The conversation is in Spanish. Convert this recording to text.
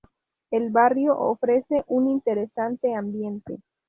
El barrio ofrece un interesante ambiente.